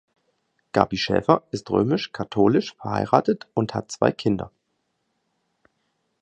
Gaby Schäfer ist römisch-katholisch, verheiratet und hat zwei Kinder.